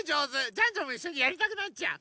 ジャンジャンもいっしょにやりたくなっちゃう。